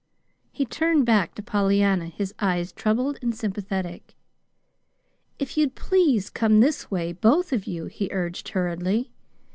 He turned back to Pollyanna, his eyes troubled and sympathetic. "If you'd please come this way both of you," he urged hurriedly.